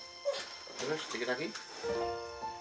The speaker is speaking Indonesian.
terus sedikit lagi